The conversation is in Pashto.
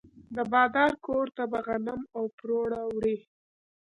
د بادار کور ته به غنم او پروړه وړي.